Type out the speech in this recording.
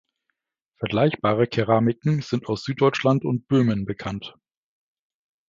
Vergleichbare Keramiken sind aus Süddeutschland und Böhmen bekannt.